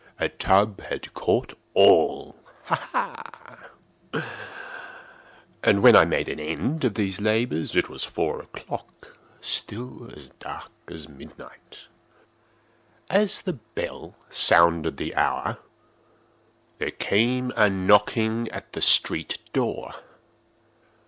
A tub had caught all—ha! ha! When I had made an end of these labors, it was four o'clock—still dark as midnight. As the bell sounded the hour, there came a knocking at the street door.